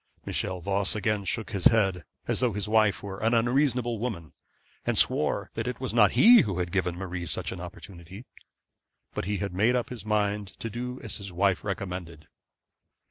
Michel Voss again shook his head, as though his wife were an unreasonable woman, and swore that it was not he who had given Marie such opportunity. But he made up his mind to do as his wife recommended.